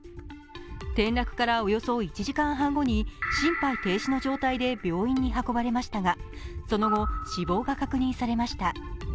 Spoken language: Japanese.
転落からおよそ１時間半後に心肺停止の状態で病院に運ばれましたが、その後死亡が確認されました。